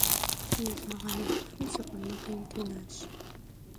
Yêzmığenlırexıfu si khurmakhêym tênaş.